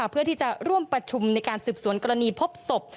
เพื่อที่จะร่วมประชุมในการสืบสวนกรณีพบศพ